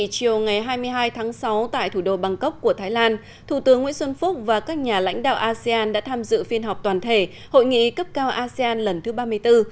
chiều ngày hai mươi hai tháng sáu tại thủ đô bangkok của thái lan thủ tướng nguyễn xuân phúc và các nhà lãnh đạo asean đã tham dự phiên họp toàn thể hội nghị cấp cao asean lần thứ ba mươi bốn